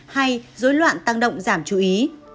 hay dối loạn tăng động giảm chú ý